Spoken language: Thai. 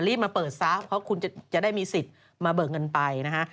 มาเปิดซะเพราะคุณจะได้มีสิทธิ์มาเบิกเงินไปนะฮะ